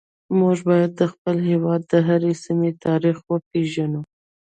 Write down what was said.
موږ باید د خپل هیواد د هرې سیمې تاریخ وپیژنو